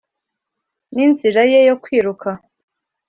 ninzira ye yo kwiruka.